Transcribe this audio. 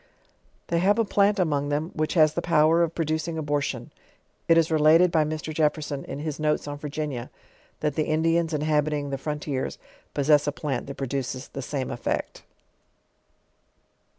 They have a plant among them, which has the power of producing abortion. It is related by Mr. Jefferson in his Notes on Virginia, that the Indians inhabiting the frontiers possess a plant that produces the fame effect.